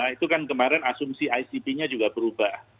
itu kan kemarin asumsi icp nya juga berubah